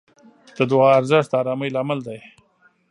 د دعا ارزښت د آرامۍ لامل دی.